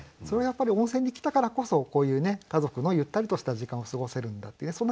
それがやっぱり温泉に来たからこそこういう家族のゆったりとした時間を過ごせるんだっていうね